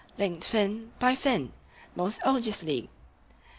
linked fin by fin! most odiously.